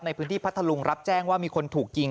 ในพื้นที่พระทะลุงรับแจ้งว่ามีคนถูกยิง